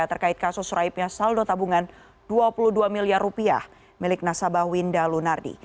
terkait kasus raibnya saldo tabungan dua puluh dua miliar rupiah milik nasabah winda lunardi